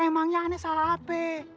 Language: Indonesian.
emangnya aneh salah apa